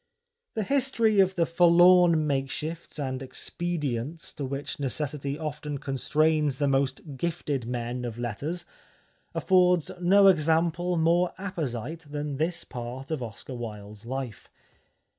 The history of the for lorn makeshifts and expedients to which neces sity often constrains the most gifted men of letters affords no example more apposite than this part of Oscar Wilde's life.